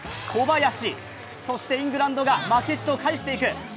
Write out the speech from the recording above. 小林、そしてイングランドが負けじと返していく。